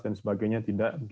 dan sebagainya tidak